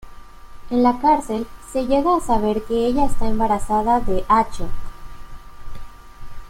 En la cárcel se llega a saber que ella está embarazada de Ashok.